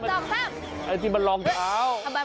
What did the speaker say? มันที่พักเท้ารองเท้าคนซ้อน